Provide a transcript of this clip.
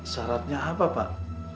syaratnya apa pak